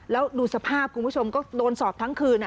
แล้วดูสภาพคุณผู้ชมก็โดนสอบทั้งคืน